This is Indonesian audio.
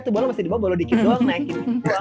tuh bola masih dibawa bola dikit doang naikin